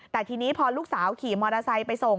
แต่ทีนี้พอลูกสาวขี่มอเตอร์ไซค์ไปส่ง